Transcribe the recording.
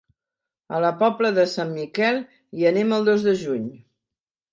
A la Pobla de Sant Miquel hi anem el dos de juny.